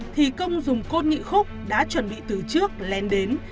thì công dùng cốt nhị khúc đã chuẩn bị từ trước len đến